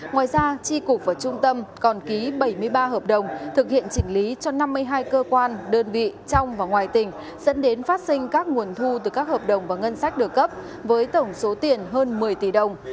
ngoài ra tri cục và trung tâm còn ký bảy mươi ba hợp đồng thực hiện chỉnh lý cho năm mươi hai cơ quan đơn vị trong và ngoài tỉnh dẫn đến phát sinh các nguồn thu từ các hợp đồng và ngân sách được cấp với tổng số tiền hơn một mươi tỷ đồng